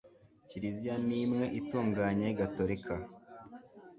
kiliziya ni imwe itunganye gatolika